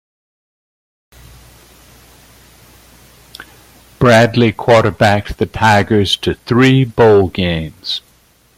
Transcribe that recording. Bradley quarterbacked the Tigers to three bowl games.